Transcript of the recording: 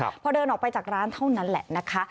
พอเดินออกไปจากร้านเท่านั้นแหละนะคะ